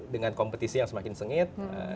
dengan kompetisi yang semakin sengit